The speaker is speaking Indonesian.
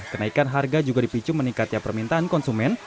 kenaikan harga juga dipicu meningkatnya permintaan konsumen